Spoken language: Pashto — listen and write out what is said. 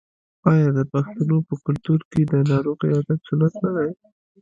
آیا د پښتنو په کلتور کې د ناروغ عیادت سنت نه دی؟